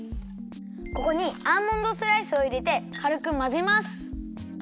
ここにアーモンドスライスをいれてかるくまぜます！